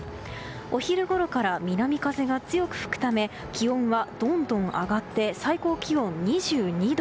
お昼ごろから南風が強く吹くため気温はどんどん上がって最高気温２２度。